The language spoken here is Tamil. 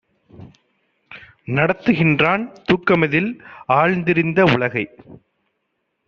நடத்துகின்றான் தூக்கமதில் ஆழ்ந்திருந்த உலகை!